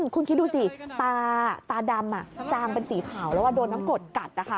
คุณคิดดูสิตาตาดำจางเป็นสีขาวแล้วโดนน้ำกดกัดนะคะ